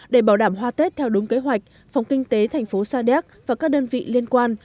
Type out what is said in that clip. để bảo đảm hoa tết theo đúng kế hoạch phòng kinh tế thành phố sa đéc và các đơn vị liên quan